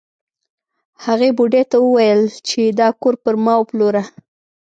هغې بوډۍ ته یې وویل چې دا کور پر ما وپلوره.